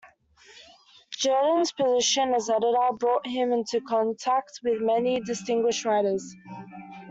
Jerdan's position as editor brought him into contact with many distinguished writers.